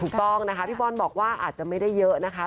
ถูกต้องนะคะพี่บอลบอกว่าอาจจะไม่ได้เยอะนะคะ